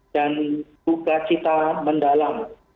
dan buka cita mendalam